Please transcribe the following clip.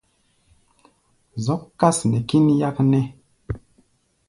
Zɔ́k kâs nɛ kín yáknɛ́.